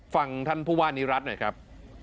ฟังท่านผู้ว่านิรัติหน่อยครับ